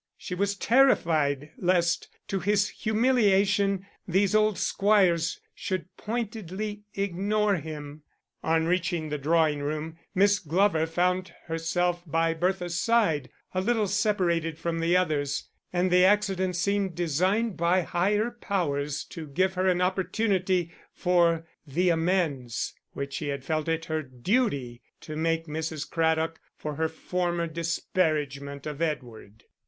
She was terrified lest, to his humiliation, those old squires should pointedly ignore him. On reaching the drawing room Miss Glover found herself by Bertha's side, a little separated from the others, and the accident seemed designed by higher powers to give her an opportunity for the amends which she felt it her duty to make Mrs. Craddock for her former disparagement of Edward.